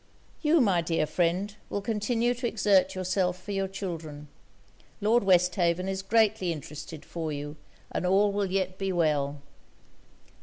You, my dear friend, will continue to exert yourself for your children; Lord Westhaven is greatly interested for you; and all will yet be well.'